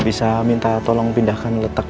bisa minta tolong pindahkan letak